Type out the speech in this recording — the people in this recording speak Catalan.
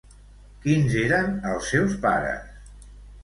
Quins eren els seus pares?